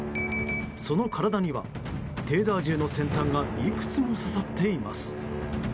その体にはテーザー銃の先端がいくつも刺さっています。